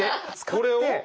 これを？